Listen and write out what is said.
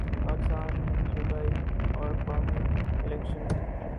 پاکستان میں صوبائی اور قومی الیکشن